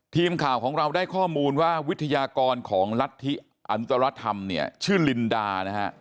ทีมข่าวของเราได้ข้อมูลว่าวิทยากรของรัฐธิอนุตรธรรมเนี่ยชื่อลินดานะฮะ